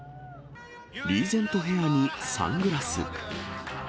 リーゼントヘアにサングラス。